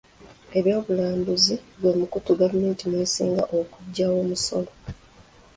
Eby'obulambuzi gwe mukutu gavumenti mw'esinga okuggya omusolo.